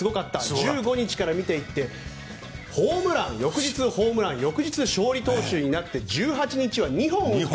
１５日から見ていってホームラン、翌日ホームラン翌日、勝利投手になって１８日は２本打った。